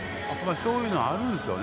そういうのはあるんですよね。